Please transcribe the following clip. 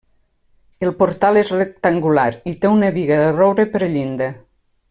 El portal és rectangular i té una biga de roure per llinda.